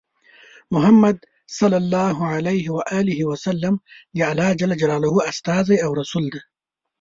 محمد ص د الله ج استازی او رسول دی.